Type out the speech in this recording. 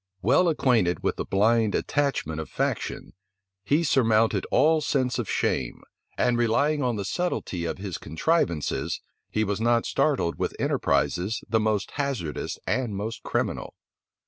Well acquainted with the blind attachment of faction, he surmounted all sense of shame; and relying on the subtilty of his contrivances, he was not startled with enterprises the most hazardous and most criminal.